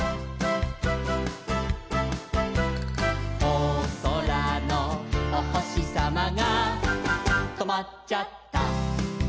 「おそらのおほしさまがとまっちゃった」